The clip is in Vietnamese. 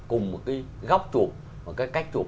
cùng một cái góc chụp một cái cách chụp